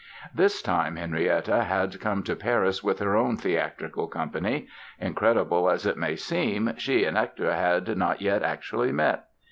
This time Henrietta had come to Paris with her own theatrical company. Incredible as it may seem, she and Hector had not yet actually met.